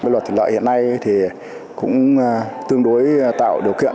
luật thủy lợi hiện nay cũng tương đối tạo điều kiện